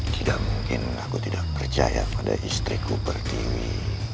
tidak mungkin aku tidak percaya pada istriku pertiwi